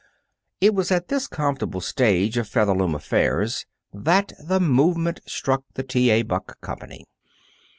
It was at this comfortable stage of Featherloom affairs that the Movement struck the T. A. Buck Company.